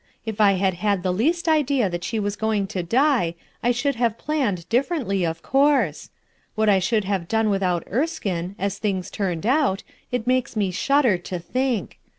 If I had had the least idea that she was going to die, I should have planned differ ently, of course. What I should have done with out ErskinGj as things turned out, it makes rue "SENTIMENTAL" PEOPLE 129 shudder to think.